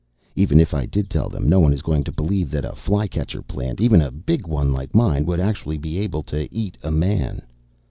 Even if I did tell them, no one is going to believe that a fly catcher plant even a big one like mine would actually be able to eat a man.